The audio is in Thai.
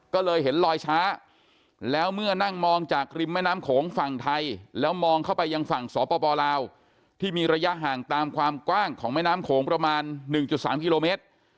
ก็เลยเห็นลอยช้าแล้วเมื่อนั่งมองจากริมแม่น้ำโขงฝั่งไทยแล้วมองเข้าไปยังฝั่งสปลาวที่มีระยะห่างตามความกว้างของแม่น้ำโขงประมาณ๑๓กิโลเมตร